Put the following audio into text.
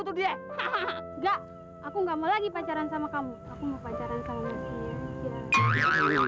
tuh dia hahaha enggak aku nggak mau lagi pacaran sama kamu aku mau pacaran sama